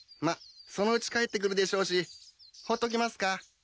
まっそのうち帰ってくるでしょうしほっときますか？